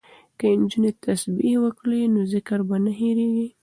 که نجونې تسبیح وکړي نو ذکر به نه هیریږي.